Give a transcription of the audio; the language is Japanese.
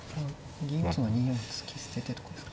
銀打つのは２四歩突き捨ててとかですか。